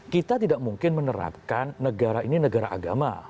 kita tidak mungkin menerapkan negara ini negara agama